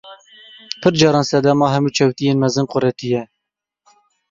Pir caran sedema hemû çewtiyên mezin quretî ye.